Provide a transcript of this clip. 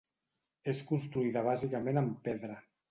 És construïda bàsicament amb pedra.